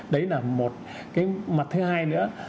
đấy là một cái mặt thứ hai nữa